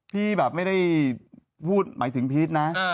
พี่แบบไม่ได้พูดหมายถึงพีชนะ